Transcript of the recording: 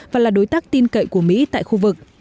và là đối tác tin cậy của mỹ tại khu vực